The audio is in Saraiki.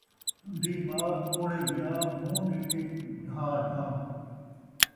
اندھی ماء، کوہڑے ویا مونہہ ݙیکھے ڈھہا ڈھہا